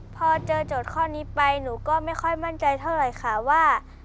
พอเจอโจทย์ข้อนี้ไปหนูก็ไม่ค่อยมั่นใจเท่าไหร่ค่ะว่า